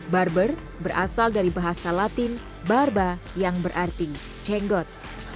barber berasal dari bahasa latin barba yang berarti jenggot